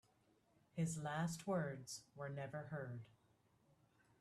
His last words were never heard.